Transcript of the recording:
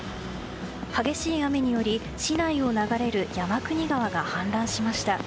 激しい雨により市内を流れる山国川が氾濫しました。